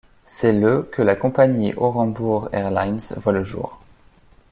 C'est le que la compagnie Orenburg Airlines voit le jour.